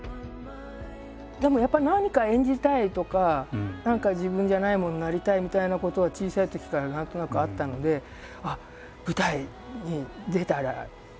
でもやっぱり何か演じたいとか何か自分じゃないものになりたいみたいなことは小さいときから何となくあったので舞台に出たら他人の役。